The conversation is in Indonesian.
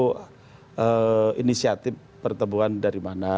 ini adalah inisiatif pertemuan dari mana